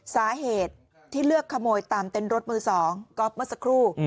สาเหตุที่เลือกขโมยตามเต้นรถมือ๒ก๊อฟเมื่อสักครู่